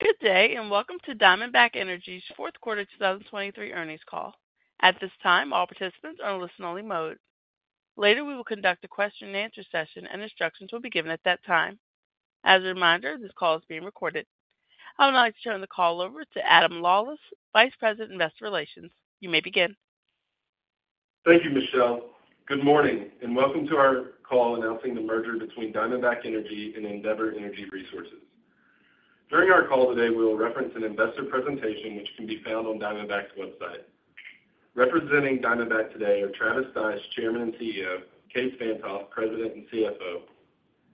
Good day and welcome to Diamondback Energy's Fourth Quarter 2023 Earnings Call. At this time, all participants are in listen-only mode. Later, we will conduct a question-and-answer session and instructions will be given at that time. As a reminder, this call is being recorded. I would like to turn the call over to Adam Lawlis, Vice President Investor Relations. You may begin. Thank you, Michelle. Good morning and welcome to our call announcing the merger between Diamondback Energy and Endeavor Energy Resources. During our call today, we will reference an investor presentation which can be found on Diamondback's website. Representing Diamondback today are Travis Stice, Chairman and CEO, Kaes Van't Hof, President and CFO,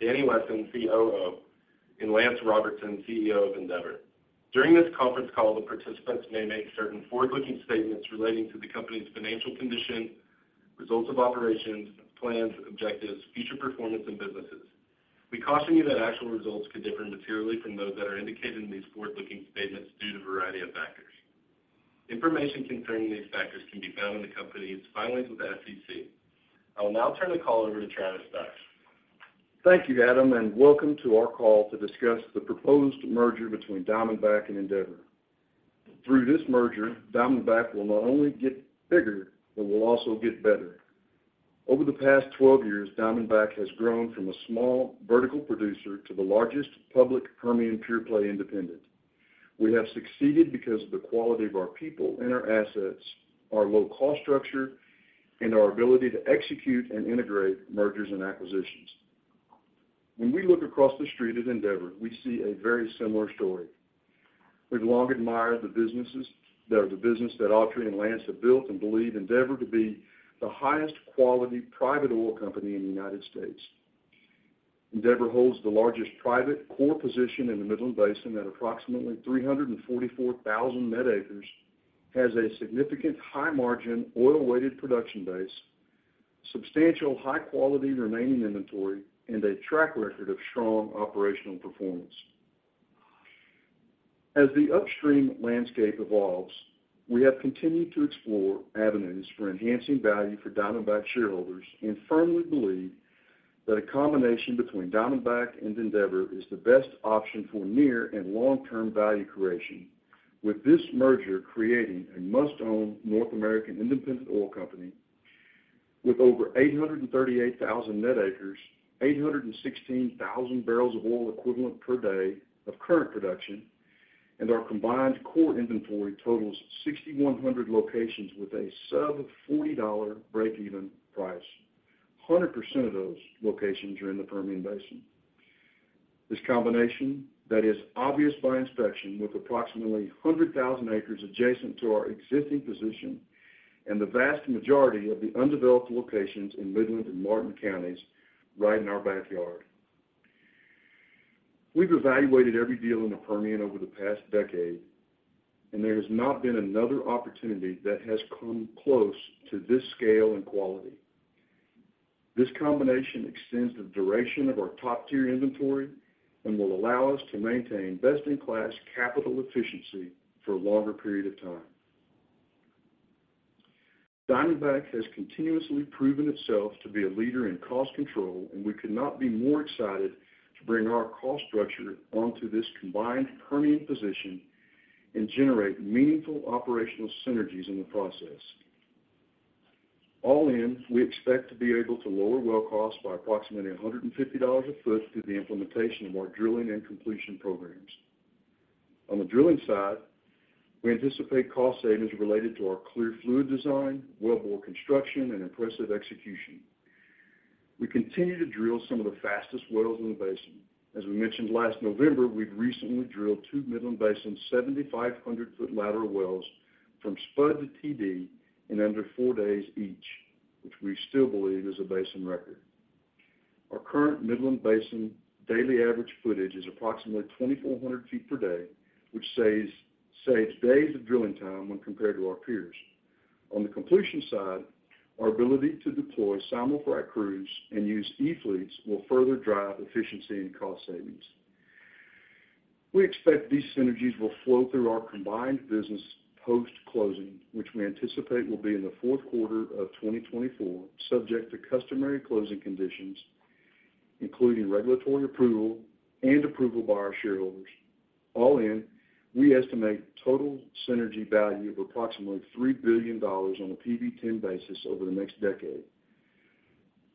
Danny Wesson, COO, and Lance Robertson, CEO of Endeavor. During this conference call, the participants may make certain forward-looking statements relating to the company's financial condition, results of operations, plans, objectives, future performance, and businesses. We caution you that actual results could differ materially from those that are indicated in these forward-looking statements due to a variety of factors. Information concerning these factors can be found in the company's filings with the SEC. I will now turn the call over to Travis Stice. Thank you, Adam, and welcome to our call to discuss the proposed merger between Diamondback and Endeavor. Through this merger, Diamondback will not only get bigger but will also get better. Over the past 12 years, Diamondback has grown from a small vertical producer to the largest public Permian pure-play independent. We have succeeded because of the quality of our people and our assets, our low-cost structure, and our ability to execute and integrate mergers and acquisitions. When we look across the street at Endeavor, we see a very similar story. We've long admired the businesses that Autry and Lance have built and believe Endeavor to be the highest-quality private oil company in the United States. Endeavor holds the largest private core position in the Midland Basin at approximately 344,000 net acres, has a significant high-margin oil-weighted production base, substantial high-quality remaining inventory, and a track record of strong operational performance. As the upstream landscape evolves, we have continued to explore avenues for enhancing value for Diamondback shareholders and firmly believe that a combination between Diamondback and Endeavor is the best option for near and long-term value creation, with this merger creating a must-own North American independent oil company with over 838,000 net acres, 816,000 barrels of oil equivalent per day of current production, and our combined core inventory totals 6,100 locations with a sub-$40 break-even price. 100% of those locations are in the Permian Basin. This combination, that is obvious by inspection, with approximately 100,000 acres adjacent to our existing position and the vast majority of the undeveloped locations in Midland and Martin Counties right in our backyard. We've evaluated every deal in the Permian over the past decade, and there has not been another opportunity that has come close to this scale and quality. This combination extends the duration of our top-tier inventory and will allow us to maintain best-in-class capital efficiency for a longer period of time. Diamondback has continuously proven itself to be a leader in cost control, and we could not be more excited to bring our cost structure onto this combined Permian position and generate meaningful operational synergies in the process. All in, we expect to be able to lower well costs by approximately $150 a foot through the implementation of our drilling and completion programs. On the drilling side, we anticipate cost savings related to our clear fluid design, wellbore construction, and impressive execution. We continue to drill some of the fastest wells in the basin. As we mentioned last November, we've recently drilled two Midland Basin 7,500-foot lateral wells from spud to TD in under four days each, which we still believe is a basin record. Our current Midland Basin daily average footage is approximately 2,400 ft per day, which saves days of drilling time when compared to our peers. On the completion side, our ability to deploy simul-frac crews and use E-fleets will further drive efficiency and cost savings. We expect these synergies will flow through our combined business post-closing, which we anticipate will be in the fourth quarter of 2024, subject to customary closing conditions including regulatory approval and approval by our shareholders. All in, we estimate total synergy value of approximately $3 billion on a PV-10 basis over the next decade,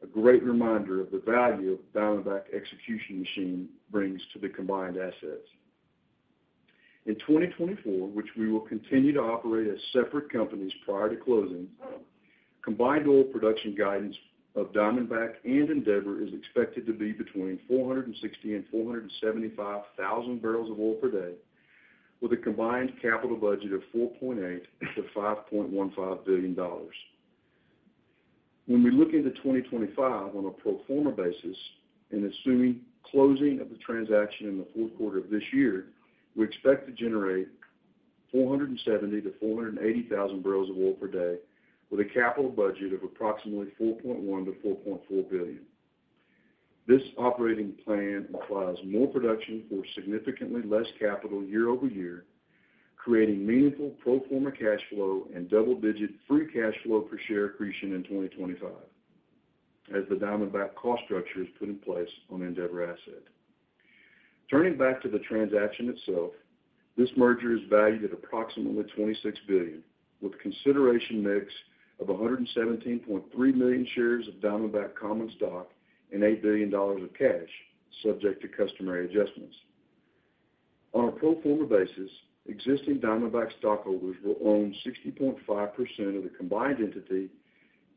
a great reminder of the value Diamondback execution machine brings to the combined assets. In 2024, which we will continue to operate as separate companies prior to closing, combined oil production guidance of Diamondback and Endeavor is expected to be between 460,000 and 475,000 barrels of oil per day, with a combined capital budget of $4.8 billion-$5.15 billion. When we look into 2025 on a pro forma basis and assuming closing of the transaction in the fourth quarter of this year, we expect to generate 470,000 to 480,000 barrels of oil per day, with a capital budget of approximately $4.1 billion-$4.4 billion. This operating plan implies more production for significantly less capital YoY, creating meaningful pro forma cash flow and double-digit free cash flow per share accretion in 2025, as the Diamondback cost structure is put in place on Endeavor asset. Turning back to the transaction itself, this merger is valued at approximately $26 billion, with a consideration mix of 117.3 million shares of Diamondback common stock and $8 billion of cash, subject to customary adjustments. On a pro forma basis, existing Diamondback stockholders will own 60.5% of the combined entity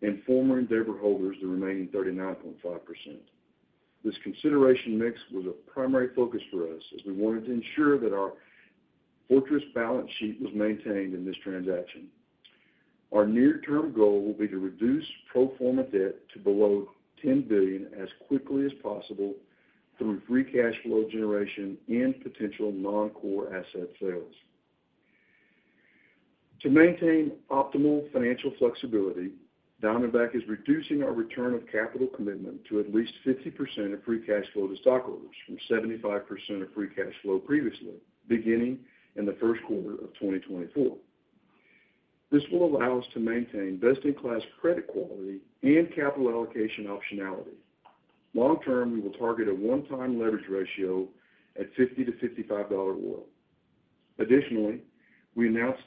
and former Endeavor holders the remaining 39.5%. This consideration mix was a primary focus for us as we wanted to ensure that our fortress balance sheet was maintained in this transaction. Our near-term goal will be to reduce pro forma debt to below $10 billion as quickly as possible through free cash flow generation and potential non-core asset sales. To maintain optimal financial flexibility, Diamondback is reducing our return of capital commitment to at least 50% of free cash flow to stockholders from 75% of free cash flow previously, beginning in the first quarter of 2024. This will allow us to maintain best-in-class credit quality and capital allocation optionality. Long-term, we will target a one-time leverage ratio at $50-$55 oil. Additionally, we announced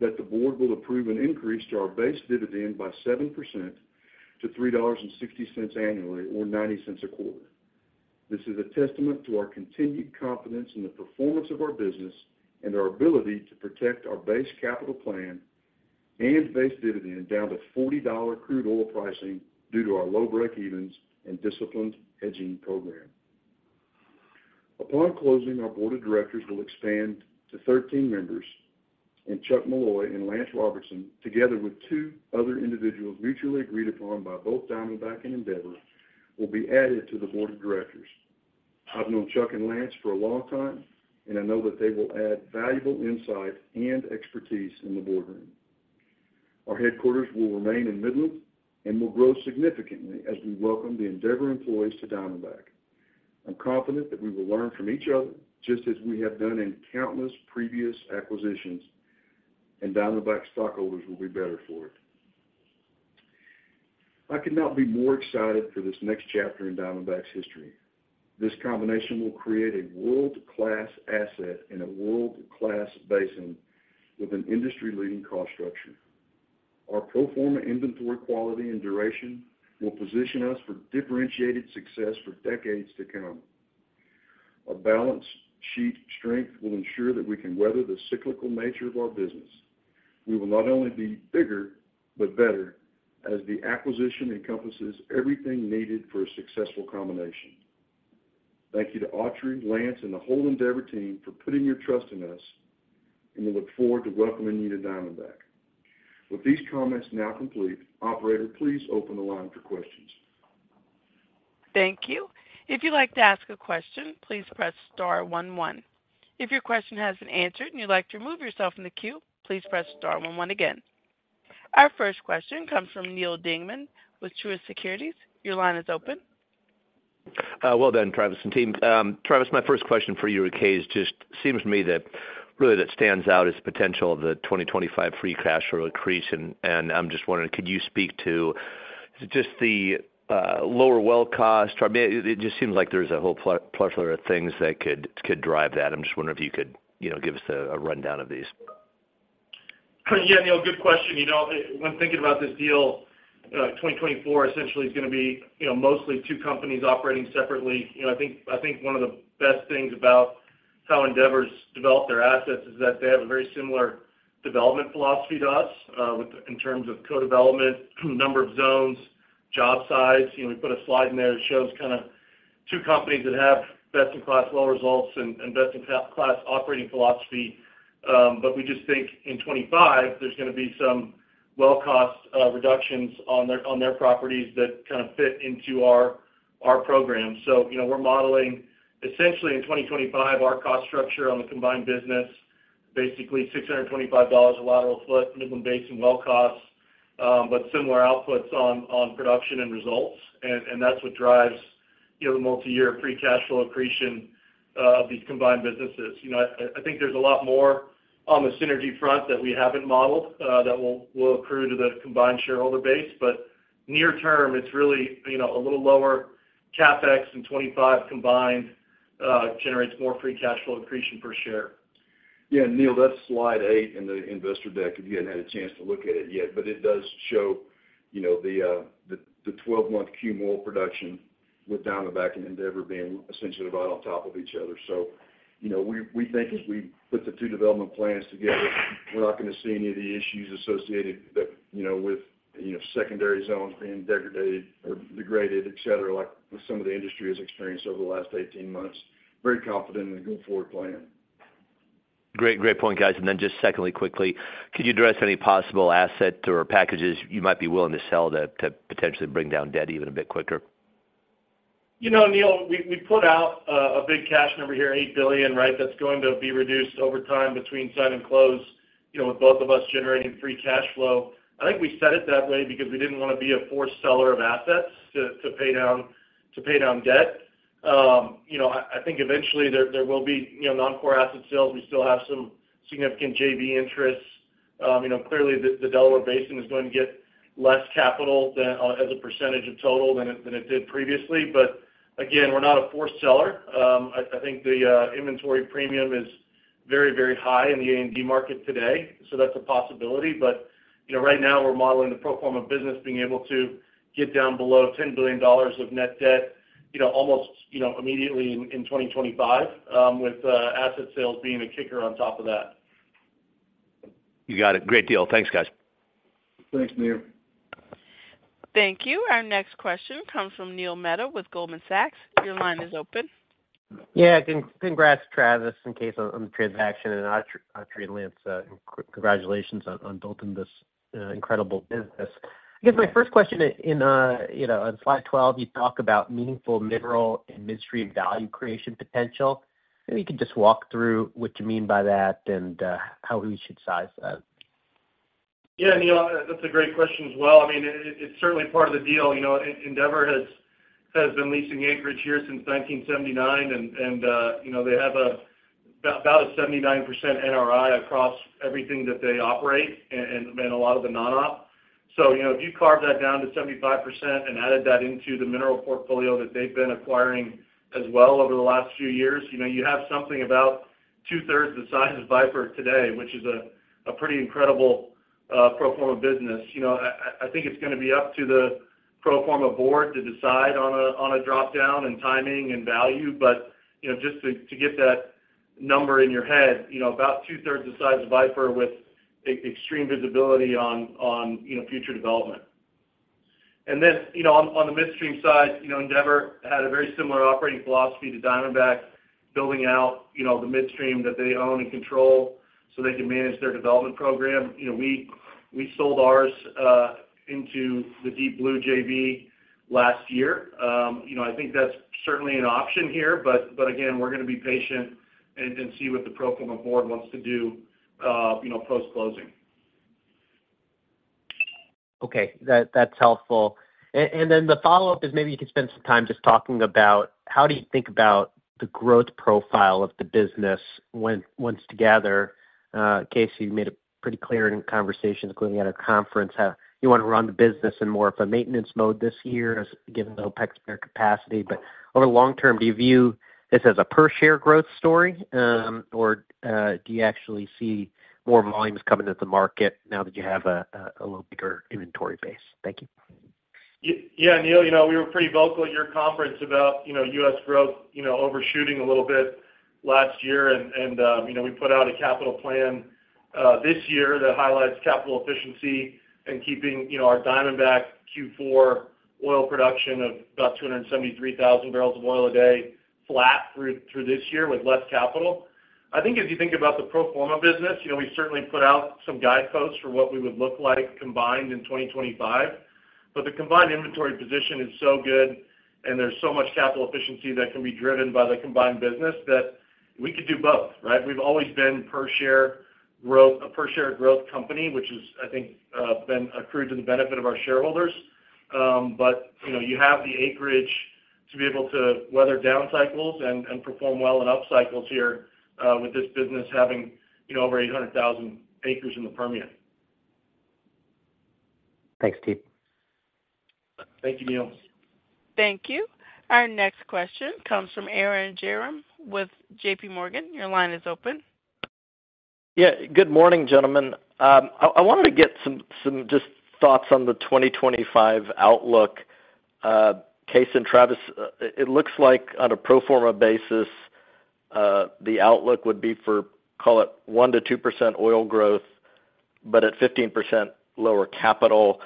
that the board will approve an increase to our base dividend by 7% to $3.60 annually or $0.90 a quarter. This is a testament to our continued confidence in the performance of our business and our ability to protect our base capital plan and base dividend down to $40 crude oil pricing due to our low break-evens and disciplined hedging program. Upon closing, our board of directors will expand to 13 members, and Chuck Meloy and Lance Robertson, together with two other individuals mutually agreed upon by both Diamondback and Endeavor, will be added to the board of directors. I've known Chuck and Lance for a long time, and I know that they will add valuable insight and expertise in the boardroom. Our headquarters will remain in Midland and will grow significantly as we welcome the Endeavor employees to Diamondback. I'm confident that we will learn from each other just as we have done in countless previous acquisitions, and Diamondback stockholders will be better for it. I could not be more excited for this next chapter in Diamondback's history. This combination will create a world-class asset and a world-class basin with an industry-leading cost structure. Our pro forma inventory quality and duration will position us for differentiated success for decades to come. Our balance sheet strength will ensure that we can weather the cyclical nature of our business. We will not only be bigger but better as the acquisition encompasses everything needed for a successful combination. Thank you to Autry, Lance, and the whole Endeavor team for putting your trust in us, and we look forward to welcoming you to Diamondback. With these comments now complete, operator, please open the line for questions. Thank you. If you'd like to ask a question, please press star one one. If your question has been answered and you'd like to remove yourself from the queue, please press star one one again. Our first question comes from Neal Dingmann with Truist Securities. Your line is open. Well done, Travis and team. Travis, my first question for you, Kaes, just seems to me that really that stands out is the potential of the 2025 free cash flow accretion, and I'm just wondering, could you speak to is it just the lower well cost? It just seems like there's a whole plethora of things that could drive that. I'm just wondering if you could give us a rundown of these. Yeah, Neil, good question. When thinking about this deal, 2024 essentially is going to be mostly two companies operating separately. I think one of the best things about how Endeavor's developed their assets is that they have a very similar development philosophy to us in terms of co-development, number of zones, job size. We put a slide in there that shows kind of two companies that have best-in-class well results and best-in-class operating philosophy, but we just think in 2025 there's going to be some well cost reductions on their properties that kind of fit into our program. So we're modeling, essentially, in 2025, our cost structure on the combined business, basically $625 a lateral foot, Midland Basin well costs, but similar outputs on production and results, and that's what drives the multi-year free cash flow accretion of these combined businesses. I think there's a lot more on the synergy front that we haven't modeled that will accrue to the combined shareholder base, but near term, it's really a little lower CapEx in 2025 combined generates more free cash flow accretion per share. Yeah, Neil, that's slide eight in the investor deck. If you hadn't had a chance to look at it yet, but it does show the 12-month cumulative production with Diamondback and Endeavor being essentially right on top of each other. So we think as we put the two development plans together, we're not going to see any of the issues associated with secondary zones being degraded or degraded, etc., like some of the industry has experienced over the last 18 months. Very confident in the go forward plan. Great, great point, guys. And then just secondly, quickly, could you address any possible assets or packages you might be willing to sell to potentially bring down debt even a bit quicker? Neil, we put out a big cash number here, $8 billion, right, that's going to be reduced over time between sign and close with both of us generating free cash flow. I think we set it that way because we didn't want to be a forced seller of assets to pay down debt. I think eventually there will be non-core asset sales. We still have some significant JV interests. Clearly, the Delaware Basin is going to get less capital as a percentage of total than it did previously, but again, we're not a forced seller. I think the inventory premium is very, very high in the A&D market today, so that's a possibility. But right now, we're modeling the pro forma business being able to get down below $10 billion of net debt almost immediately in 2025, with asset sales being a kicker on top of that. You got it. Great deal. Thanks, guys. Thanks, Neil. Thank you. Our next question comes from Neil Mehta with Goldman Sachs. Your line is open. Yeah, congrats, Travis, and Kaes on the transaction, and Autry and Lance, congratulations on building this incredible business. I guess my first question, on slide 12, you talk about meaningful mineral and midstream value creation potential. Maybe you could just walk through what you mean by that and how we should size that. Yeah, Neil, that's a great question as well. I mean, it's certainly part of the deal. Endeavor has been leasing acreage here since 1979, and they have about a 79% NRI across everything that they operate and a lot of the non-op. So if you carve that down to 75% and added that into the mineral portfolio that they've been acquiring as well over the last few years, you have something about two-thirds the size of Viper today, which is a pretty incredible pro forma business. I think it's going to be up to the pro forma board to decide on a dropdown and timing and value, but just to get that number in your head, about two-thirds the size of Viper with extreme visibility on future development. And then on the midstream side, Endeavor had a very similar operating philosophy to Diamondback, building out the midstream that they own and control so they can manage their development program. We sold ours into the Deep Blue JV last year. I think that's certainly an option here, but again, we're going to be patient and see what the pro forma board wants to do post-closing. Okay, that's helpful. And then the follow-up is maybe you could spend some time just talking about how do you think about the growth profile of the business once together. Kaes, you made it pretty clear in conversations, including at our conference, you want to run the business in more of a maintenance mode this year given the OpEx spare capacity. But over the long term, do you view this as a per-share growth story, or do you actually see more volumes coming to the market now that you have a little bigger inventory base? Thank you. Yeah, Neil, we were pretty vocal at your conference about U.S. growth overshooting a little bit last year, and we put out a capital plan this year that highlights capital efficiency and keeping our Diamondback Q4 oil production of about 273,000 barrels of oil a day flat through this year with less capital. I think as you think about the pro forma business, we certainly put out some guideposts for what we would look like combined in 2025, but the combined inventory position is so good, and there's so much capital efficiency that can be driven by the combined business that we could do both, right? We've always been a per-share growth company, which has I think been accrued to the benefit of our shareholders. But you have the acreage to be able to weather the down cycles and perform well in up cycles here with this business having over 800,000 acres in the Permian. Thanks, Kaes. Thank you, Neil. Thank you. Our next question comes from Arun Jayaram with JPMorgan. Your line is open. Yeah, good morning, gentlemen. I wanted to get some just thoughts on the 2025 outlook. Kaes and Travis, it looks like on a pro forma basis, the outlook would be for, call it, 1%-2% oil growth, but at 15% lower capital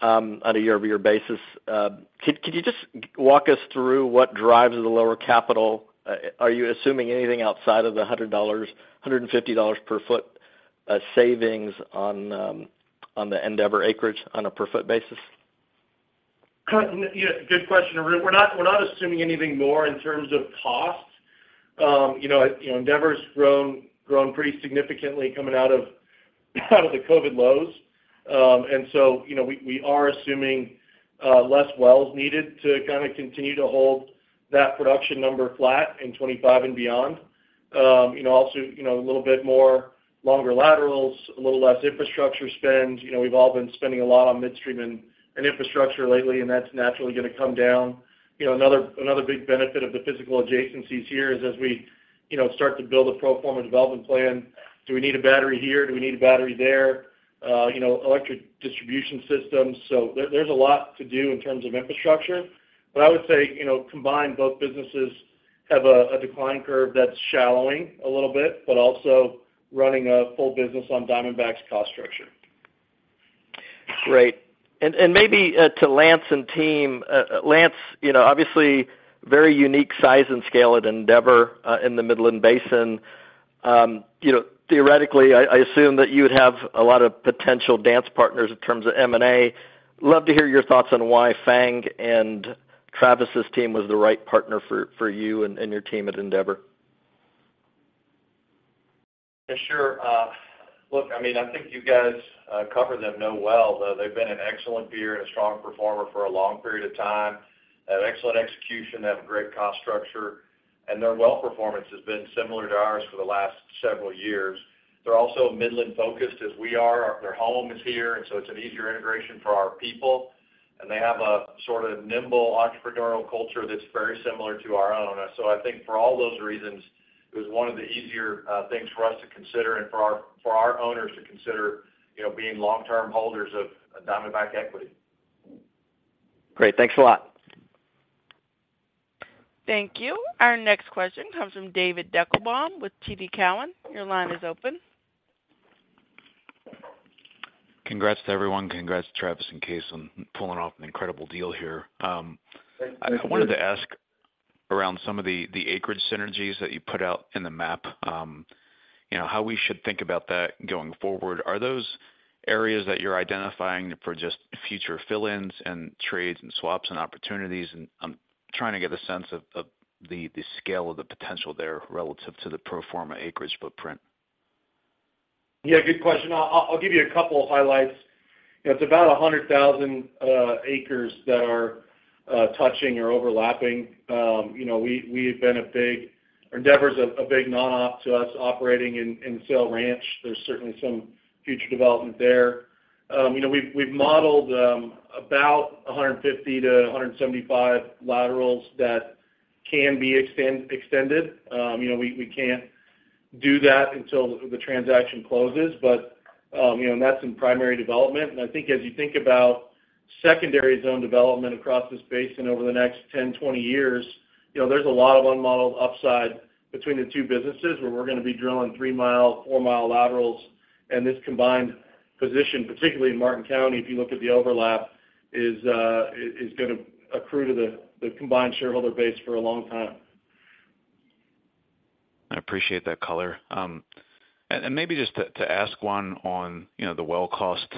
on a YoY basis. Could you just walk us through what drives the lower capital? Are you assuming anything outside of the $150 per foot savings on the Endeavor acreage on a per foot basis? Yeah, good question. We're not assuming anything more in terms of cost. Endeavor's grown pretty significantly coming out of the COVID lows, and so we are assuming less wells needed to kind of continue to hold that production number flat in 2025 and beyond. Also, a little bit more longer laterals, a little less infrastructure spend. We've all been spending a lot on midstream and infrastructure lately, and that's naturally going to come down. Another big benefit of the physical adjacencies here is as we start to build a pro forma development plan, do we need a battery here? Do we need a battery there? Electric distribution systems. So there's a lot to do in terms of infrastructure, but I would say combined, both businesses have a decline curve that's shallowing a little bit but also running a full business on Diamondback's cost structure. Great. And maybe to Lance and team, Lance, obviously, very unique size and scale at Endeavor in the Midland Basin. Theoretically, I assume that you would have a lot of potential dance partners in terms of M&A. Love to hear your thoughts on why FANG and Travis's team was the right partner for you and your team at Endeavor. Yeah, sure. Look, I mean, I think you guys cover them no less well, though. They've been an excellent peer and a strong performer for a long period of time. They have excellent execution. They have a great cost structure, and their well performance has been similar to ours for the last several years. They're also Midland-focused as we are. Their home is here, and so it's an easier integration for our people, and they have a sort of nimble entrepreneurial culture that's very similar to our own. So I think for all those reasons, it was one of the easier things for us to consider and for our owners to consider being long-term holders of Diamondback equity. Great. Thanks a lot. Thank you. Our next question comes from David Deckelbaum with TD Cowen. Your line is open. Congrats to everyone. Congrats, Travis and Kaes, on pulling off an incredible deal here. I wanted to ask around some of the acreage synergies that you put out in the map, how we should think about that going forward. Are those areas that you're identifying for just future fill-ins and trades and swaps and opportunities? I'm trying to get a sense of the scale of the potential there relative to the pro forma Endeavor footprint. Yeah, good question. I'll give you a couple of highlights. It's about 100,000 acres that are touching or overlapping. We've been a big Endeavor's a big non-op to us operating in Sale Ranch. There's certainly some future development there. We've modeled about 150-175 laterals that can be extended. We can't do that until the transaction closes, but that's in primary development. And I think as you think about secondary zone development across this basin over the next 10-20 years, there's a lot of unmodeled upside between the two businesses where we're going to be drilling 3-mile, 4-mile laterals, and this combined position, particularly in Martin County, if you look at the overlap, is going to accrue to the combined shareholder base for a long time. I appreciate that color. Maybe just to ask one on the well cost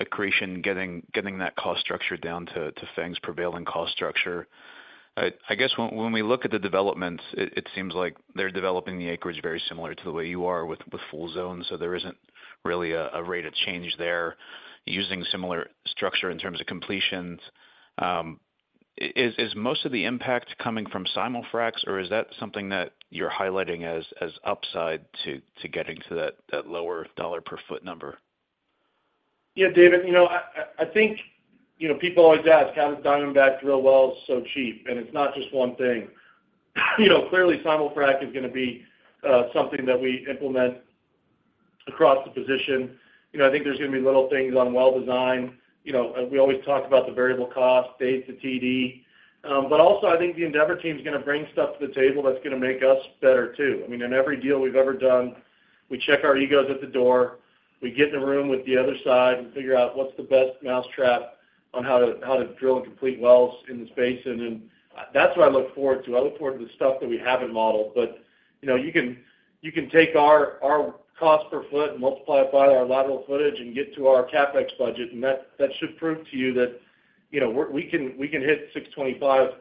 accretion, getting that cost structure down to FANG's prevailing cost structure. I guess when we look at the developments, it seems like they're developing the acreage very similar to the way you are with full zones, so there isn't really a rate of change there using similar structure in terms of completions. Is most of the impact coming from simul-fracs, or is that something that you're highlighting as upside to getting to that lower dollar per foot number? Yeah, David, I think people always ask, how does Diamondback drill wells so cheap? And it's not just one thing. Clearly, simul-frac is going to be something that we implement across the position. I think there's going to be little things on well design. We always talk about the variable cost, days to TD. But also, I think the Endeavor team's going to bring stuff to the table that's going to make us better too. I mean, in every deal we've ever done, we check our egos at the door. We get in the room with the other side and figure out what's the best mousetrap on how to drill and complete wells in this basin, and that's what I look forward to. I look forward to the stuff that we haven't modeled, but you can take our cost per foot and multiply it by our lateral footage and get to our CapEx budget, and that should prove to you that we can hit $625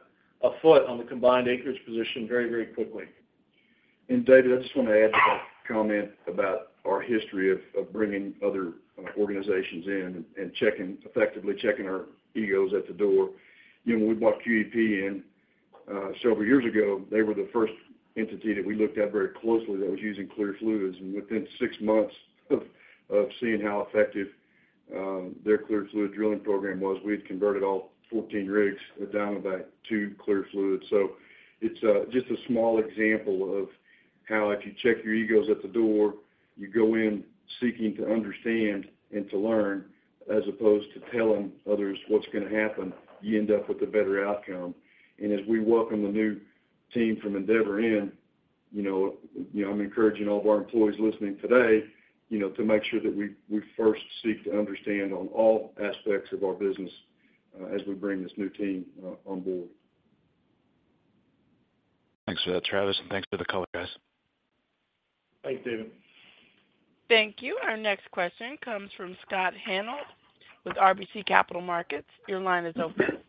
a foot on the combined acreage position very, very quickly. And David, I just want to add to that comment about our history of bringing other organizations in and effectively checking our egos at the door. When we brought QEP in several years ago, they were the first entity that we looked at very closely that was using clear fluid, and within six months of seeing how effective their clear fluid drilling program was, we had converted all 14 rigs at Diamondback to clear fluid. So it's just a small example of how if you check your egos at the door, you go in seeking to understand and to learn, as opposed to telling others what's going to happen, you end up with a better outcome. As we welcome the new team from Endeavor in, I'm encouraging all of our employees listening today to make sure that we first seek to understand on all aspects of our business as we bring this new team on board. Thanks for that, Travis, and thanks for the color, guys. Thanks, David. Thank you. Our next question comes from Scott Hanold with RBC Capital Markets. Your line is open.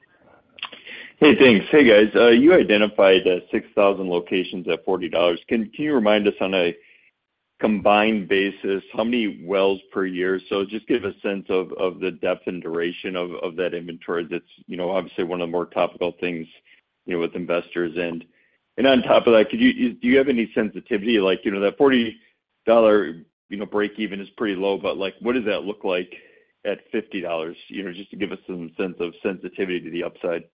Hey, thanks. Hey, guys. You identified 6,000 locations at $40. Can you remind us on a combined basis, how many wells per year? So just give a sense of the depth and duration of that inventory. That's obviously one of the more topical things with investors. And on top of that, do you have any sensitivity? That $40 breakeven is pretty low, but what does that look like at $50? Just to give us some sense of sensitivity to the upside.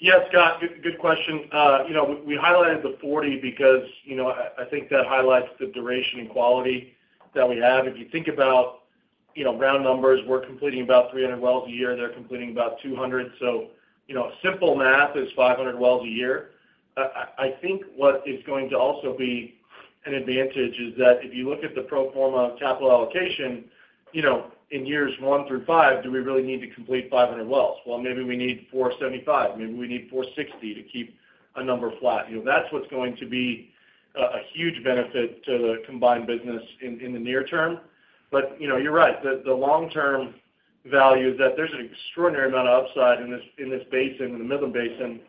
Yeah, Scott, good question. We highlighted the $40 because I think that highlights the duration and quality that we have. If you think about round numbers, we're completing about 300 wells a year. They're completing about 200, so simple math is 500 wells a year. I think what is going to also be an advantage is that if you look at the pro forma capital allocation in years one through five, do we really need to complete 500 wells? Well, maybe we need 475. Maybe we need 460 to keep a number flat. That's what's going to be a huge benefit to the combined business in the near term. But you're right. The long-term value is that there's an extraordinary amount of upside in this basin, in the Midland Basin,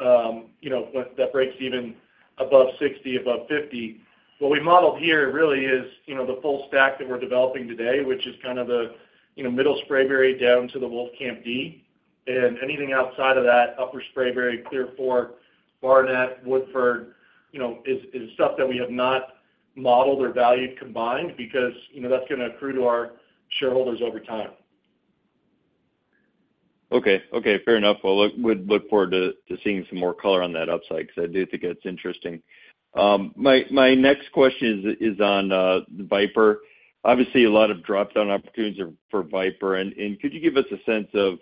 that breaks even above $60, above $50. What we modeled here really is the full stack that we're developing today, which is kind of the Middle Spraberry down to the Wolfcamp D, and anything outside of that, Upper Spraberry, Clearfork, Barnett, Woodford, is stuff that we have not modeled or valued combined because that's going to accrue to our shareholders over time. Okay, okay, fair enough. Well, look forward to seeing some more color on that upside because I do think that's interesting. My next question is on Viper. Obviously, a lot of dropdown opportunities for Viper, and could you give us a sense of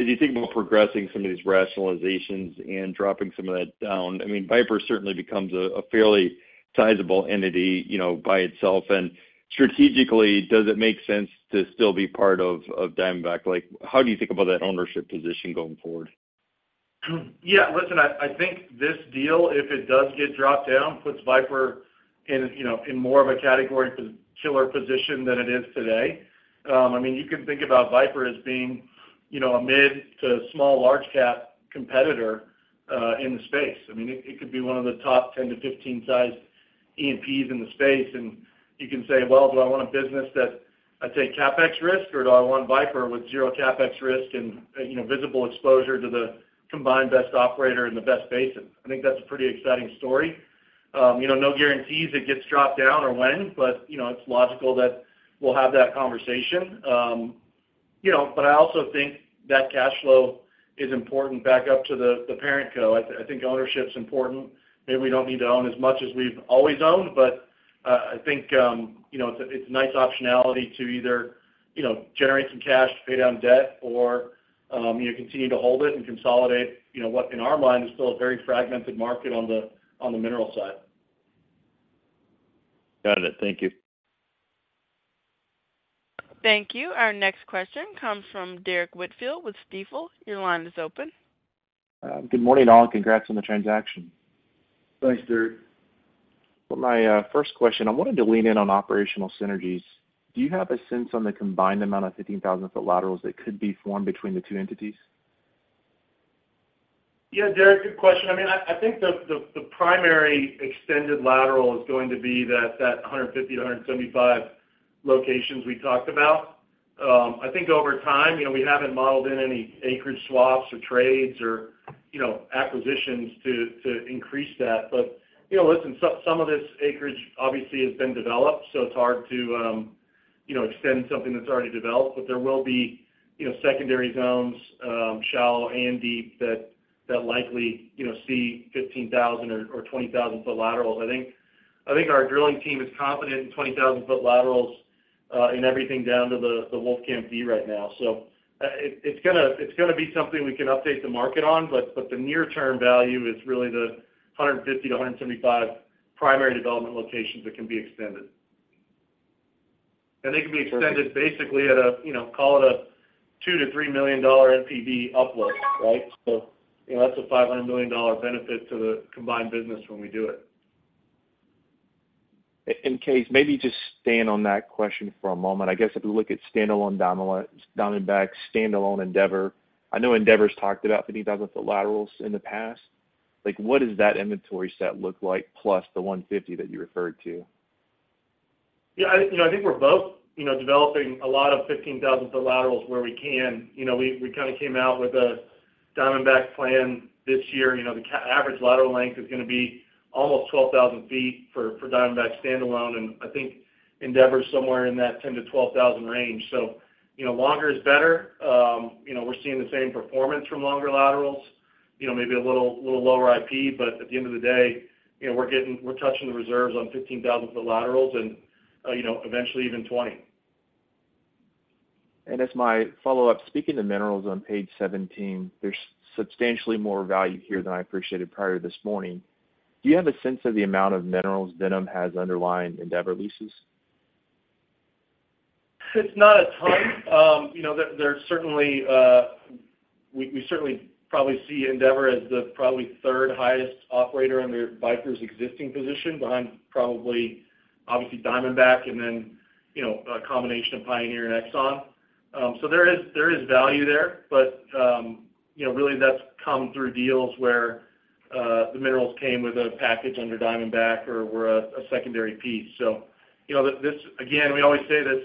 as you think about progressing some of these rationalizations and dropping some of that down? I mean, Viper certainly becomes a fairly sizable entity by itself, and strategically, does it make sense to still be part of Diamondback? How do you think about that ownership position going forward? Yeah, listen, I think this deal, if it does get dropped down, puts Viper in more of a category killer position than it is today. I mean, you can think about Viper as being a mid to small large cap competitor in the space. I mean, it could be one of the top 10-15 sized E&Ps in the space, and you can say, "Well, do I want a business that I take CapEx risk, or do I want Viper with zero CapEx risk and visible exposure to the combined best operator in the best basin?" I think that's a pretty exciting story. No guarantees it gets dropped down or when, but it's logical that we'll have that conversation. But I also think that cash flow is important back up to the parent co. I think ownership's important. Maybe we don't need to own as much as we've always owned, but I think it's a nice optionality to either generate some cash to pay down debt or continue to hold it and consolidate what, in our mind, is still a very fragmented market on the mineral side. Got it. Thank you. Thank you. Our next question comes from Derrick Whitfield with Stifel. Your line is open. Good morning, all, and congrats on the transaction. Thanks, Derek. For my first question, I wanted to lean in on operational synergies. Do you have a sense on the combined amount of 15,000-foot laterals that could be formed between the two entities? Yeah, Derek, good question. I mean, I think the primary extended lateral is going to be that 150-175 locations we talked about. I think over time, we haven't modeled in any acreage swaps or trades or acquisitions to increase that, but listen, some of this acreage obviously has been developed, so it's hard to extend something that's already developed. But there will be secondary zones, shallow and deep, that likely see 15,000- or 20,000-foot laterals. I think our drilling team is confident in 20,000-foot laterals in everything down to the Wolfcamp D right now. So it's going to be something we can update the market on, but the near-term value is really the 150-175 primary development locations that can be extended. And they can be extended basically at a call it a $2 million-$3 million NPV uplift, right? So that's a $500 million benefit to the combined business when we do it. Kaes, maybe just staying on that question for a moment. I guess if we look at standalone Diamondback, standalone Endeavor, I know Endeavor's talked about 15,000-foot laterals in the past. What does that inventory set look like plus the 150 that you referred to? Yeah, I think we're both developing a lot of 15,000-foot laterals where we can. We kind of came out with a Diamondback plan this year. The average lateral length is going to be almost 12,000 ft for Diamondback standalone, and I think Endeavor's somewhere in that 10,000-12,000 range. So longer is better. We're seeing the same performance from longer laterals, maybe a little lower IP, but at the end of the day, we're touching the reserves on 15,000-foot laterals and eventually even 20,000. As my follow-up, speaking to minerals on page 17, there's substantially more value here than I appreciated prior this morning. Do you have a sense of the amount of minerals Diamondback has underlying Endeavor leases? It's not a ton. We certainly probably see Endeavor as the probably third highest operator under Viper's existing position behind probably obviously Diamondback and then a combination of Pioneer and Exxon. So there is value there, but really, that's come through deals where the minerals came with a package under Diamondback or were a secondary piece. So again, we always say that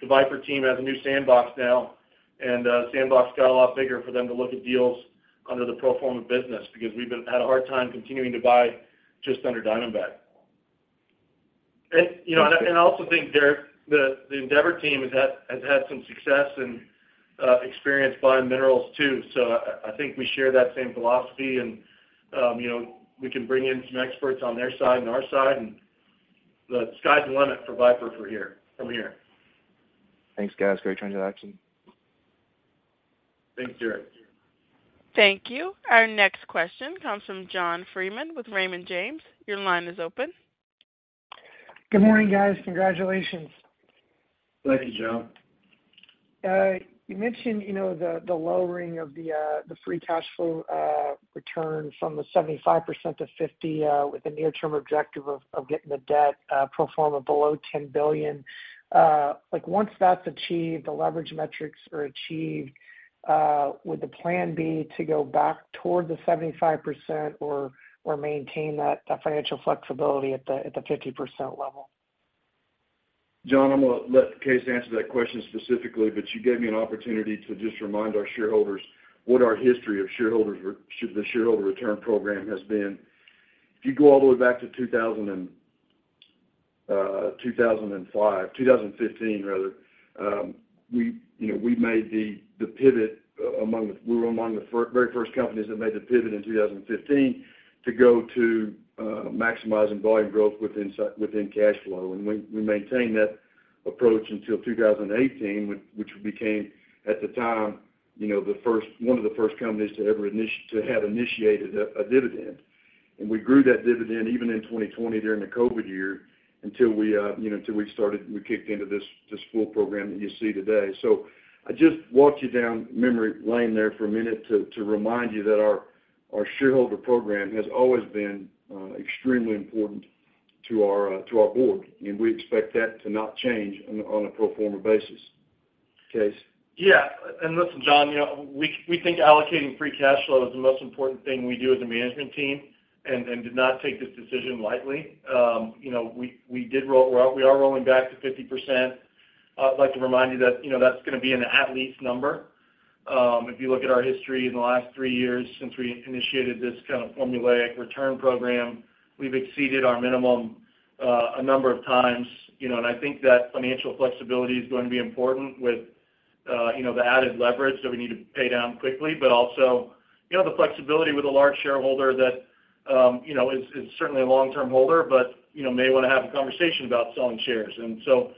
the Viper team has a new sandbox now, and sandbox got a lot bigger for them to look at deals under the pro forma business because we've had a hard time continuing to buy just under Diamondback. And I also think, Derrick, the Endeavor team has had some success and experience buying minerals too, so I think we share that same philosophy, and we can bring in some experts on their side and our side, and the sky's the limit for Viper from here. Thanks, guys. Great transaction. Thanks, Derek. Thank you. Our next question comes from John Freeman with Raymond James. Your line is open. Good morning, guys. Congratulations. Thank you, John. You mentioned the lowering of the free cash flow return from the 75% to 50% with a near-term objective of getting the debt pro forma below $10 billion. Once that's achieved, the leverage metrics are achieved, would the plan be to go back toward the 75% or maintain that financial flexibility at the 50% level? John, I'm going to let Kaes answer that question specifically, but you gave me an opportunity to just remind our shareholders what our history of the shareholder return program has been. If you go all the way back to 2005, 2015 rather, we were among the very first companies that made the pivot in 2015 to go to maximizing volume growth within cash flow, and we maintained that approach until 2018, which became at the time one of the first companies to have initiated a dividend. We grew that dividend even in 2020 during the COVID year until we kicked into this full program that you see today. I just walked you down memory lane there for a minute to remind you that our shareholder program has always been extremely important to our board, and we expect that to not change on a pro forma basis. Kaes? Yeah. Listen, John, we think allocating free cash flow is the most important thing we do as a management team. And did not take this decision lightly. We are rolling back to 50%. I'd like to remind you that that's going to be an at-least number. If you look at our history in the last three years since we initiated this kind of formulaic return program, we've exceeded our minimum a number of times, and I think that financial flexibility is going to be important with the added leverage that we need to pay down quickly, but also the flexibility with a large shareholder that is certainly a long-term holder but may want to have a conversation about selling shares. And so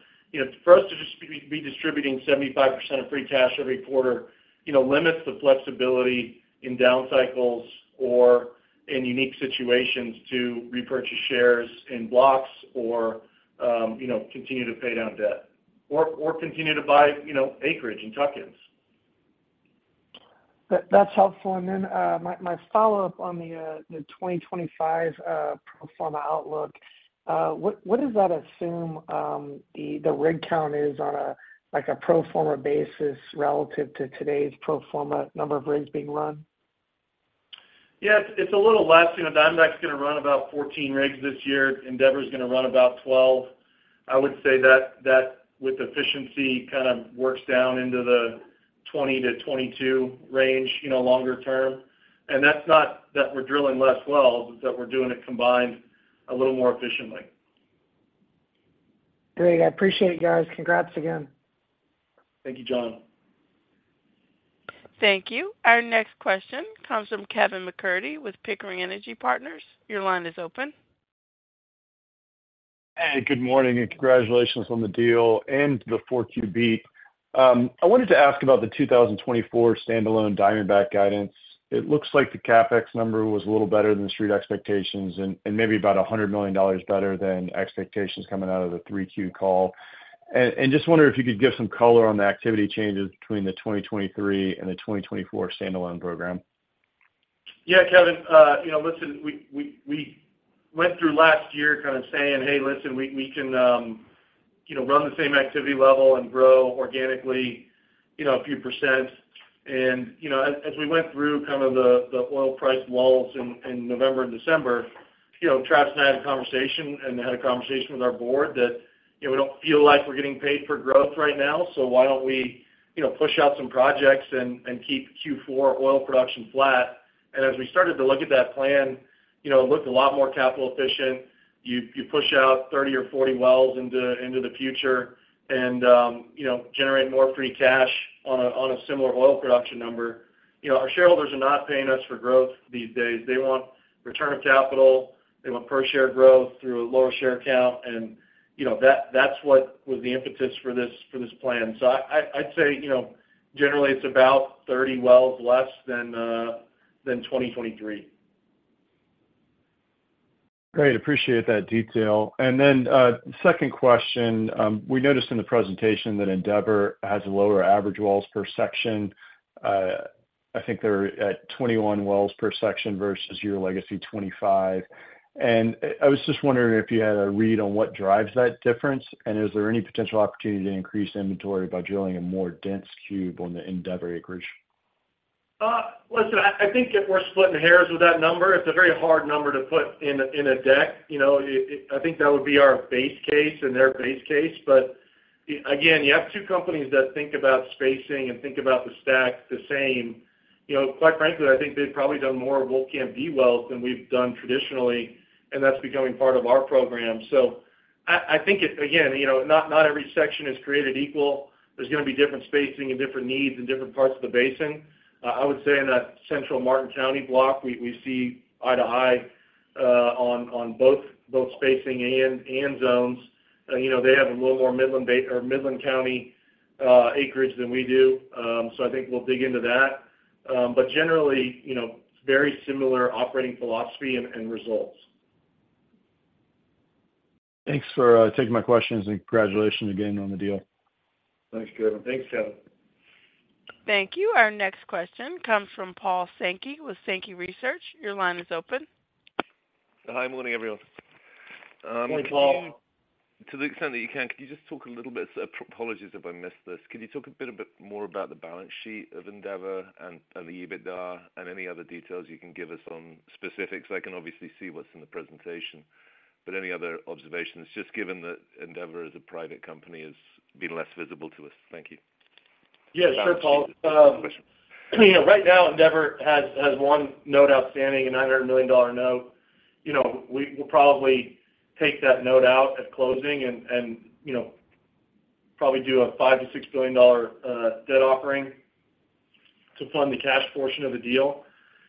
for us to just be distributing 75% of free cash every quarter limits the flexibility in down cycles or in unique situations to repurchase shares in blocks or continue to pay down debt or continue to buy acreage and tuck-ins. That's helpful. And then my follow-up on the 2025 pro forma outlook, what does that assume the rig count is on a pro forma basis relative to today's pro forma number of rigs being run? Yeah, it's a little less. Diamondback's going to run about 14 rigs this year. Endeavor's going to run about 12. I would say that with efficiency kind of works down into the 20-22 range longer term. And that's not that we're drilling less wells, it's that we're doing it combined a little more efficiently. Great. I appreciate you guys. Congrats again. Thank you, John. Thank you. Our next question comes from Kevin MacCurdy with Pickering Energy Partners. Your line is open. Hey, good morning, and congratulations on the deal and the 4Q beat. I wanted to ask about the 2024 standalone Diamondback guidance. It looks like the CapEx number was a little better than the street expectations and maybe about $100 million better than expectations coming out of the 3Q call. And just wonder if you could give some color on the activity changes between the 2023 and the 2024 standalone program? Yeah, Kevin. Listen, we went through last year kind of saying, "Hey, listen, we can run the same activity level and grow organically a few percent." And as we went through kind of the oil price lulls in November and December, Travis and I had a conversation, and I had a conversation with our board that we don't feel like we're getting paid for growth right now, so why don't we push out some projects and keep Q4 oil production flat? And as we started to look at that plan, it looked a lot more capital efficient. You push out 30 or 40 wells into the future and generate more free cash on a similar oil production number. Our shareholders are not paying us for growth these days. They want return of capital. They want per share growth through a lower share count, and that's what was the impetus for this plan. So I'd say generally, it's about 30 wells less than 2023. Great. Appreciate that detail. And then second question, we noticed in the presentation that Endeavor has lower average wells per section. I think they're at 21 wells per section versus your legacy 25. And I was just wondering if you had a read on what drives that difference, and is there any potential opportunity to increase inventory by drilling a more dense cube on the Endeavor acreage? Listen, I think if we're splitting hairs with that number, it's a very hard number to put in a deck. I think that would be our base case and their base case. But again, you have two companies that think about spacing and think about the stack the same. Quite frankly, I think they've probably done more Wolfcamp D wells than we've done traditionally, and that's becoming part of our program. So I think, again, not every section is created equal. There's going to be different spacing and different needs in different parts of the basin. I would say in that central Martin County block, we see eye to eye on both spacing and zones. They have a little more Midland or Midland County acreage than we do, so I think we'll dig into that. But generally, very similar operating philosophy and results. Thanks for taking my questions, and congratulations again on the deal. Thanks, Kevin. Thanks, Kevin. Thank you. Our next question comes from Paul Sankey with Sankey Research. Your line is open. Hi. Good morning, everyone. Morning, Paul. To the extent that you can, could you just talk a little bit? Apologies if I missed this. Could you talk a bit more about the balance sheet of Endeavor and the EBITDA and any other details you can give us on specifics? I can obviously see what's in the presentation, but any other observations just given that Endeavor as a private company has been less visible to us. Thank you. Yeah, sure, Paul. Question. Right now, Endeavor has one note outstanding, a $900 million note. We'll probably take that note out at closing and probably do a $5 billion-$6 billion debt offering to fund the cash portion of the deal.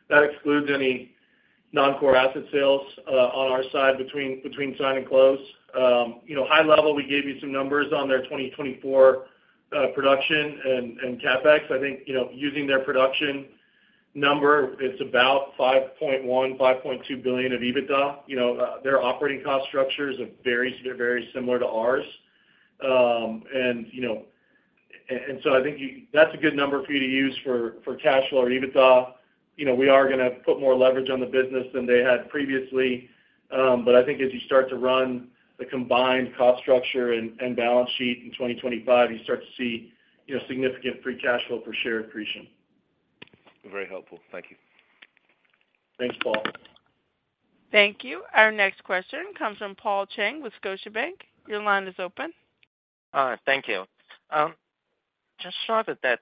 That excludes any non-core asset sales on our side between sign and close. High level, we gave you some numbers on their 2024 production and CapEx. I think using their production number, it's about $5.1 billion-$5.2 billion of EBITDA. Their operating cost structures are very, very similar to ours. And so I think that's a good number for you to use for cash flow or EBITDA. We are going to put more leverage on the business than they had previously, but I think as you start to run the combined cost structure and balance sheet in 2025, you start to see significant free cash flow per share accretion. Very helpful. Thank you. Thanks, Paul. Thank you. Our next question comes from Paul Cheng with Scotiabank. Your line is open. Thank you. Just so I put that,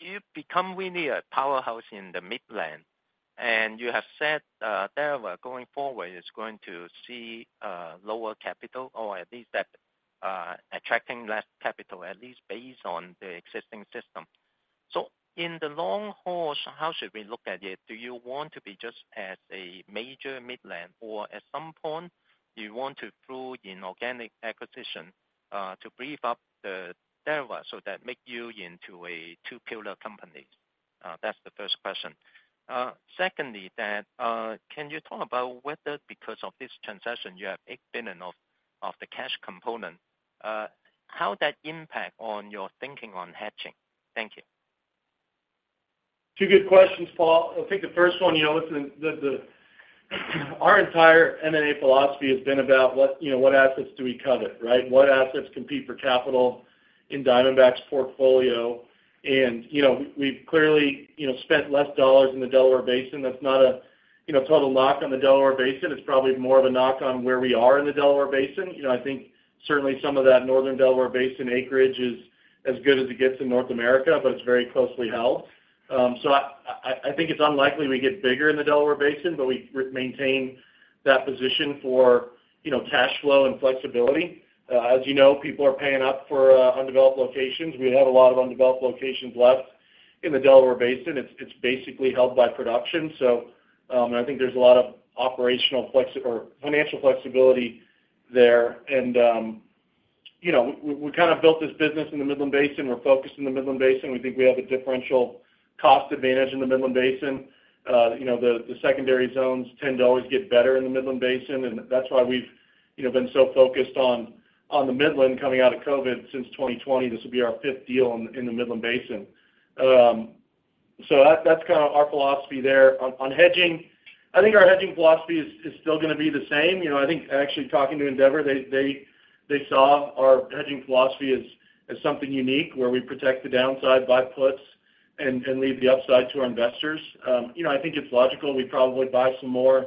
you've become really a powerhouse in the Midland, and you have said Endeavor going forward is going to see lower capital or at least attracting less capital, at least based on the existing system. So in the long haul, how should we look at it? Do you want to be just as a major Midland, or at some point, you want to flow in organic acquisition to beef up Endeavor so that make you into a two-pillar company? That's the first question. Secondly, can you talk about whether, because of this transaction, you have $8 billion of the cash component, how that impact on your thinking on hedging? Thank you. Two good questions, Paul. I'll take the first one. Listen, our entire M&A philosophy has been about what assets do we covet, right? What assets compete for capital in Diamondback's portfolio? And we've clearly spent less dollars in the Delaware Basin. That's not a total knock on the Delaware Basin. It's probably more of a knock on where we are in the Delaware Basin. I think certainly some of that northern Delaware Basin acreage is as good as it gets in North America, but it's very closely held. So I think it's unlikely we get bigger in the Delaware Basin, but we maintain that position for cash flow and flexibility. As you know, people are paying up for undeveloped locations. We have a lot of undeveloped locations left in the Delaware Basin. It's basically held by production, and I think there's a lot of financial flexibility there. We kind of built this business in the Midland Basin. We're focused in the Midland Basin. We think we have a differential cost advantage in the Midland Basin. The secondary zones tend to always get better in the Midland Basin, and that's why we've been so focused on the Midland coming out of COVID since 2020. This will be our fifth deal in the Midland Basin. So that's kind of our philosophy there. On hedging, I think our hedging philosophy is still going to be the same. I think actually talking to Endeavor, they saw our hedging philosophy as something unique where we protect the downside by puts and leave the upside to our investors. I think it's logical. We probably buy some more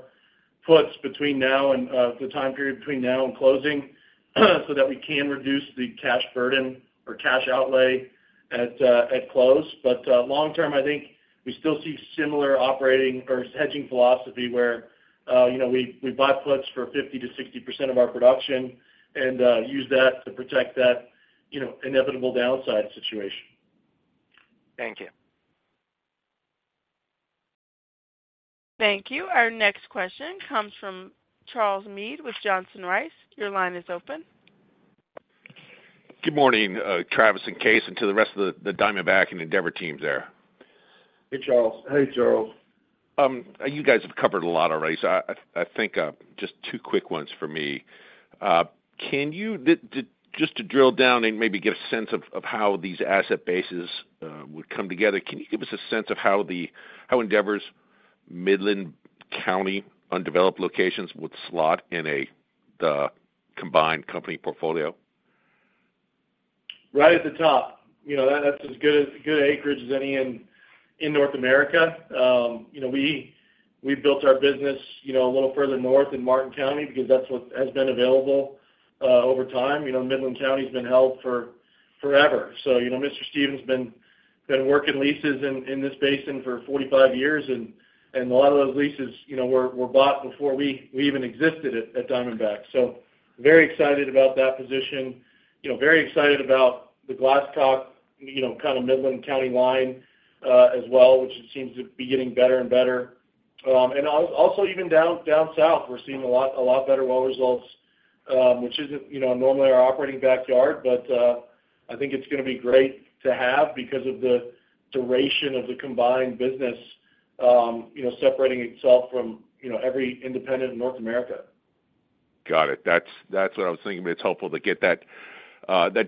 puts between now and the time period between now and closing so that we can reduce the cash burden or cash outlay at close. But long-term, I think we still see similar hedging philosophy where we buy puts for 50%-60% of our production and use that to protect that inevitable downside situation. Thank you. Thank you. Our next question comes from Charles Meade with Johnson Rice. Your line is open. Good morning, Travis and Kaes, and to the rest of the Diamondback and Endeavor teams there. Hey, Charles. Hey, Charles. You guys have covered a lot already, so I think just two quick ones for me. Can you just to drill down and maybe get a sense of how these asset bases would come together, can you give us a sense of how Endeavor's Midland County undeveloped locations would slot in the combined company portfolio? Right at the top. That's as good an acreage as any in North America. We've built our business a little further north in Martin County because that's what has been available over time. Midland County's been held forever. So Mr. Stephens has been working leases in this basin for 45 years, and a lot of those leases were bought before we even existed at Diamondback. So very excited about that position. Very excited about the Glasscock kind of Midland County line as well, which seems to be getting better and better. And also even down south, we're seeing a lot better well results, which isn't normally our operating backyard, but I think it's going to be great to have because of the duration of the combined business separating itself from every independent in North America. Got it. That's what I was thinking. It's helpful to get that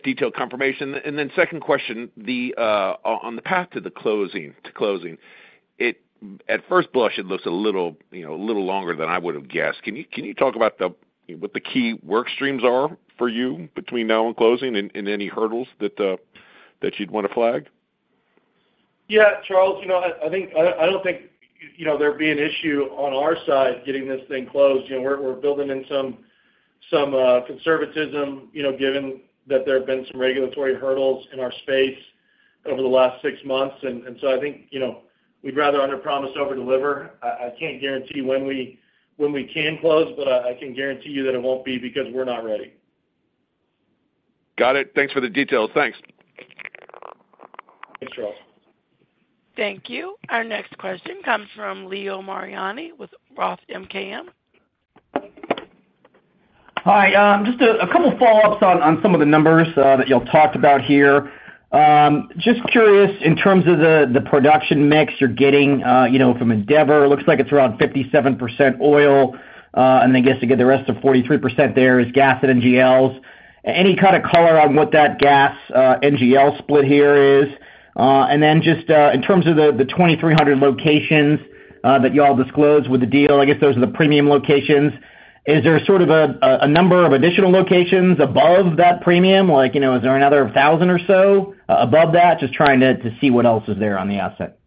detailed confirmation. And then second question, on the path to closing, at first blush, it looks a little longer than I would have guessed. Can you talk about what the key work streams are for you between now and closing and any hurdles that you'd want to flag? Yeah, Charles. I don't think there'd be an issue on our side getting this thing closed. We're building in some conservatism given that there have been some regulatory hurdles in our space over the last six months. And so I think we'd rather underpromise overdeliver. I can't guarantee when we can close, but I can guarantee you that it won't be because we're not ready. Got it. Thanks for the details. Thanks. Thanks, Charles. Thank you. Our next question comes from Leo Mariani with Roth MKM. Hi. Just a couple of follow-ups on some of the numbers that y'all talked about here. Just curious, in terms of the production mix you're getting from Endeavor, it looks like it's around 57% oil, and then I guess again, the rest of 43% there is gas and NGLs. Any kind of color on what that gas NGL split here is? And then just in terms of the 2,300 locations that y'all disclosed with the deal, I guess those are the premium locations. Is there sort of a number of additional locations above that premium? Is there another 1,000 or so above that? Just trying to see what else is there on the asset.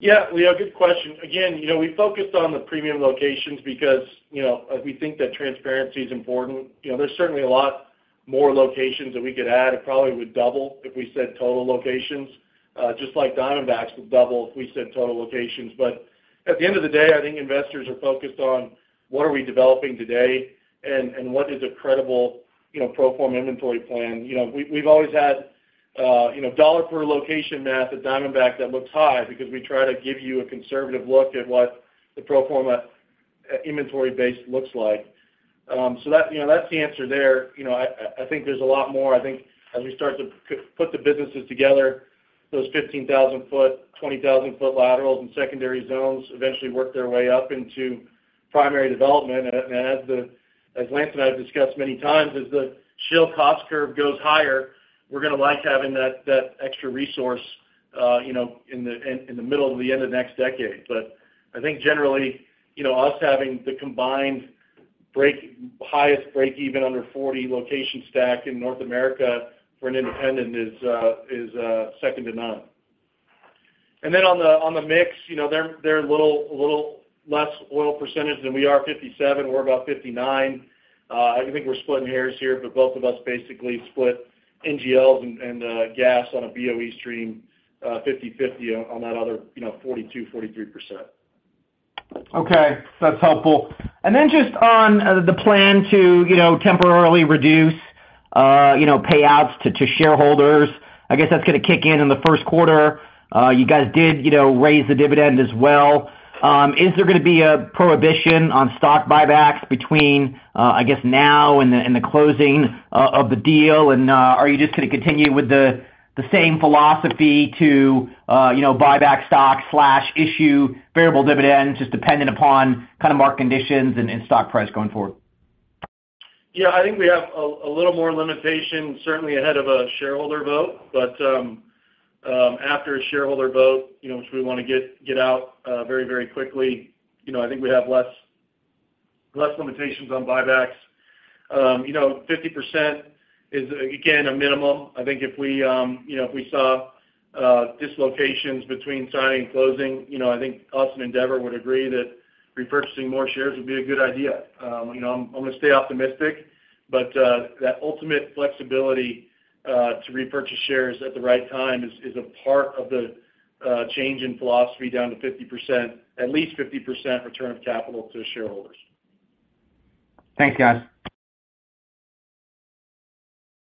Yeah, good question. Again, we focused on the premium locations because we think that transparency is important. There's certainly a lot more locations that we could add. It probably would double if we said total locations. Just like Diamondback's would double if we said total locations. But at the end of the day, I think investors are focused on what are we developing today and what is a credible pro forma inventory plan. We've always had dollar per location math at Diamondback that looks high because we try to give you a conservative look at what the pro forma inventory base looks like. So that's the answer there. I think there's a lot more. I think as we start to put the businesses together, those 15,000-foot, 20,000-foot laterals and secondary zones eventually work their way up into primary development. As Lance and I have discussed many times, as the shale cost curve goes higher, we're going to like having that extra resource in the middle to the end of the next decade. But I think generally, us having the highest breakeven under $40 location stack in North America for an independent is second to none. And then on the mix, they're a little less oil percentage than we are. 57%. We're about 59%. I think we're splitting hairs here, but both of us basically split NGLs and gas on a BOE basis 50/50 on that other 42%-43%. Okay. That's helpful. And then just on the plan to temporarily reduce payouts to shareholders, I guess that's going to kick in in the first quarter. You guys did raise the dividend as well. Is there going to be a prohibition on stock buybacks between, I guess, now and the closing of the deal? And are you just going to continue with the same philosophy to buyback stock/issue variable dividends just dependent upon kind of market conditions and stock price going forward? Yeah, I think we have a little more limitation, certainly ahead of a shareholder vote. But after a shareholder vote, which we want to get out very, very quickly, I think we have less limitations on buybacks. 50% is, again, a minimum. I think if we saw dislocations between signing and closing, I think us and Endeavor would agree that repurchasing more shares would be a good idea. I'm going to stay optimistic, but that ultimate flexibility to repurchase shares at the right time is a part of the change in philosophy down to 50%, at least 50% return of capital to shareholders. Thanks, guys.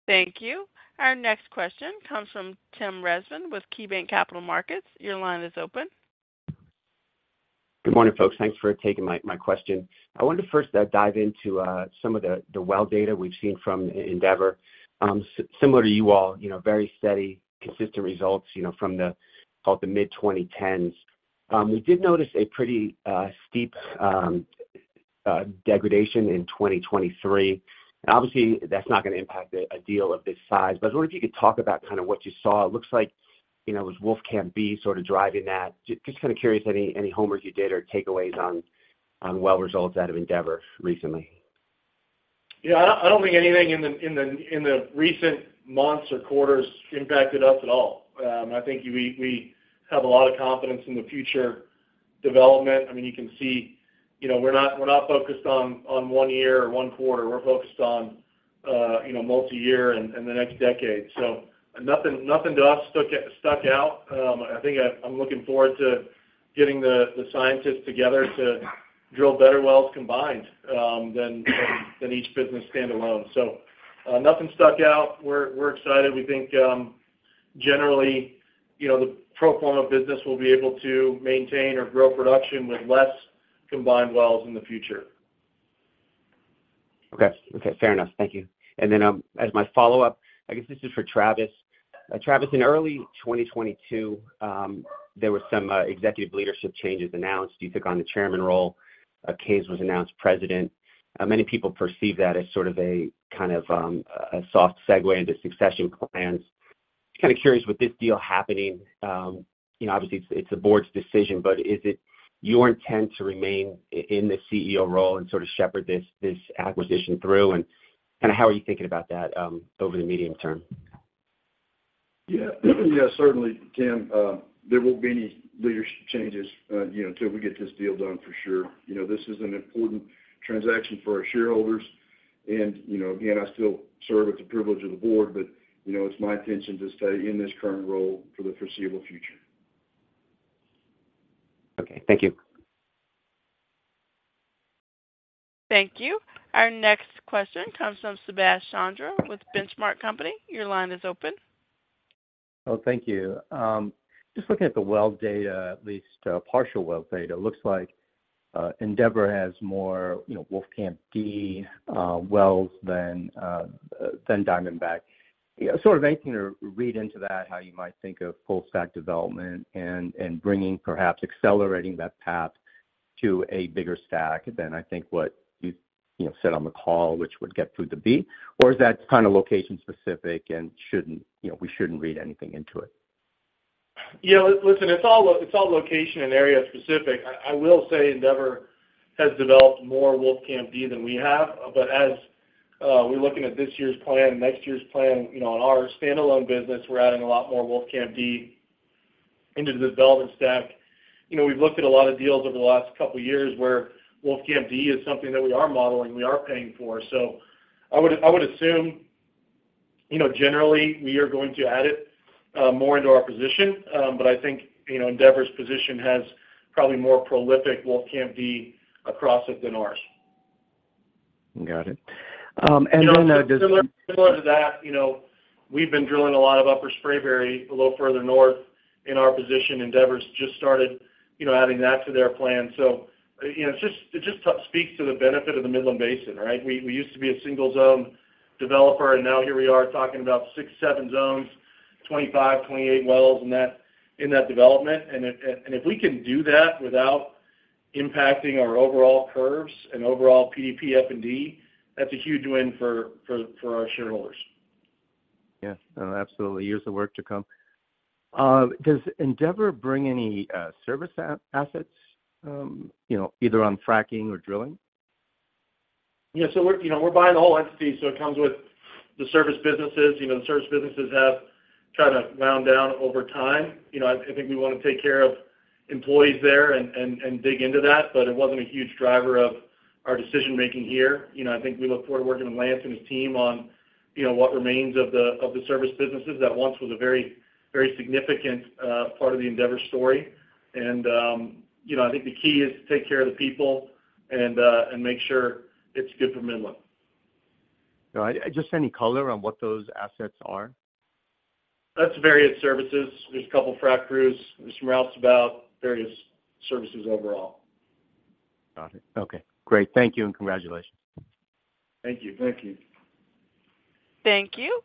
Thank you. Our next question comes from Tim Rezvan with KeyBanc Capital Markets. Your line is open. Good morning, folks. Thanks for taking my question. I wanted to first dive into some of the well data we've seen from Endeavor. Similar to you all, very steady, consistent results from the mid-2010s. We did notice a pretty steep degradation in 2023. Obviously, that's not going to impact a deal of this size, but I was wondering if you could talk about kind of what you saw. It looks like it was Wolfcamp B sort of driving that. Just kind of curious any homework you did or takeaways on well results out of Endeavor recently. Yeah, I don't think anything in the recent months or quarters impacted us at all. I think we have a lot of confidence in the future development. I mean, you can see we're not focused on one year or one quarter. We're focused on multi-year and the next decade. So nothing to us stuck out. I think I'm looking forward to getting the scientists together to drill better wells combined than each business standalone. So nothing stuck out. We're excited. We think generally, the pro forma business will be able to maintain or grow production with less combined wells in the future. Okay. Okay. Fair enough. Thank you. And then as my follow-up, I guess this is for Travis. Travis, in early 2022, there were some executive leadership changes announced. You took on the chairman role. Kaes was announced president. Many people perceive that as sort of a kind of a soft segue into succession plans. Just kind of curious with this deal happening, obviously, it's the board's decision, but is it your intent to remain in the CEO role and sort of shepherd this acquisition through? And kind of how are you thinking about that over the medium term? Yeah. Yeah, certainly, Tim. There won't be any leadership changes till we get this deal done for sure. This is an important transaction for our shareholders. And again, I still serve with the privilege of the board, but it's my intention to stay in this current role for the foreseeable future. Okay. Thank you. Thank you. Our next question comes from Subash Chandra with Benchmark Company. Your line is open. Oh, thank you. Just looking at the well data, at least partial well data, it looks like Endeavor has more Wolfcamp D wells than Diamondback. Sort of anything to read into that, how you might think of full stack development and bringing, perhaps accelerating that path to a bigger stack than I think what you said on the call, which would get through the B, or is that kind of location-specific and we shouldn't read anything into it? Yeah. Listen, it's all location and area-specific. I will say Endeavor has developed more Wolfcamp D than we have. But as we're looking at this year's plan, next year's plan, on our standalone business, we're adding a lot more Wolfcamp D into the development stack. We've looked at a lot of deals over the last couple of years where Wolfcamp D is something that we are modeling. We are paying for. So I would assume generally, we are going to add it more into our position. But I think Endeavor's position has probably more prolific Wolfcamp D across it than ours. Got it. And then does. Similar to that, we've been drilling a lot of Upper Spraberry a little further north in our position. Endeavor's just started adding that to their plan. So it just speaks to the benefit of the Midland Basin, right? We used to be a single-zone developer, and now here we are talking about six, seven zones, 25, 28 wells in that development. And if we can do that without impacting our overall curves and overall PDP, F&D, that's a huge win for our shareholders. Yeah. No, absolutely. Years of work to come. Does Endeavor bring any service assets either on fracking or drilling? Yeah. So we're buying the whole entity, so it comes with the service businesses. The service businesses have run down over time. I think we want to take care of employees there and dig into that, but it wasn't a huge driver of our decision-making here. I think we look forward to working with Lance and his team on what remains of the service businesses that once was a very significant part of the Endeavor story. I think the key is to take care of the people and make sure it's good for Midland. Just any color on what those assets are? That's various services. There's a couple of frac crews. There's some noise about various services overall. Got it. Okay. Great. Thank you and congratulations. Thank you. Thank you. Thank you.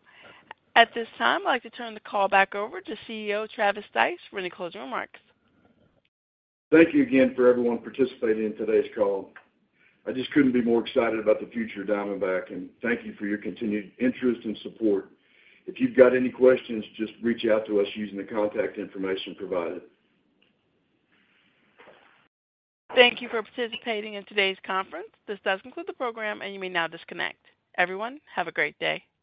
At this time, I'd like to turn the call back over to CEO Travis Stice for any closing remarks. Thank you again for everyone participating in today's call. I just couldn't be more excited about the future of Diamondback. Thank you for your continued interest and support. If you've got any questions, just reach out to us using the contact information provided. Thank you for participating in today's conference. This does conclude the program, and you may now disconnect. Everyone, have a great day.